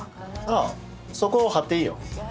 ああそこはっていいよ。